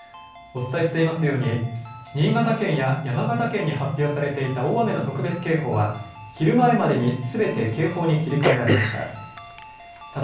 お伝えしていますように新潟県や山形県に発表されていた大雨の特別警報は昼前までにすべて警報に切り替えられました。